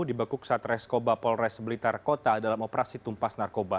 dibekuk satreskoba polres blitar kota dalam operasi tumpas narkoba